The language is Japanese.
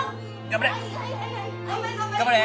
頑張れ！